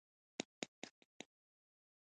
هیلۍ له کورنۍ سره ژوند ته ارزښت ورکوي